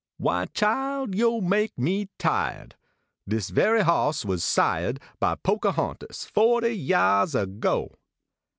Why chile, yo make me tiahed ! Dis ve y hoss was siahed By Pokehontas fohty yahs ago.